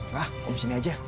lah om sini aja